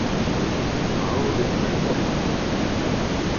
A orin breizhat on.